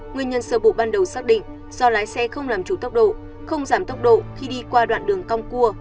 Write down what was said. nguyên nhân sơ bộ ban đầu xác định do lái xe không làm chủ tốc độ không giảm tốc độ khi đi qua đoạn đường cong cua